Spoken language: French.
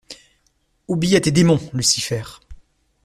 Obéis à tes démons, Lucifer!